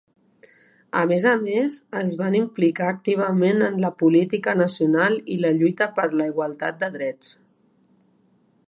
A més a més, es van implicar activament en la política nacional i la lluita per la igualtat de drets.